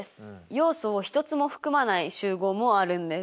要素を１つも含まない集合もあるんです。